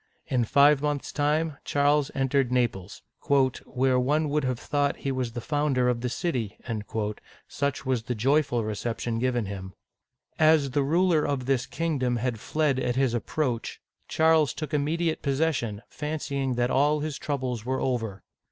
In five months' time, Charles entered Naples, where one would have thought he was the founder of the city," such was the joyful recep tion given him ! As the ruler of this kingdom had fled at his approach, Charles took immediate possession, fancying that all his troubles were over.